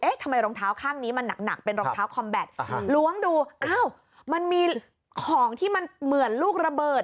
ทำไมรองเท้าข้างนี้มันหนักเป็นรองเท้าคอมแบตล้วงดูอ้าวมันมีของที่มันเหมือนลูกระเบิด